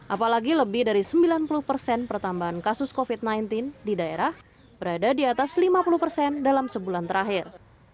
apalagi lebih dari sembilan puluh persen pertambahan kasus covid sembilan belas di daerah berada di atas lima puluh persen dalam sebulan terakhir